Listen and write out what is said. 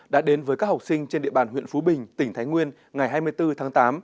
đã đến với các học sinh trên địa bàn huyện phú bình tỉnh thái nguyên ngày hai mươi bốn tháng tám